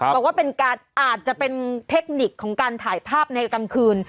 บอกว่าเป็นการอาจจะเป็นเทคนิคของการถ่ายภาพในกลางคืน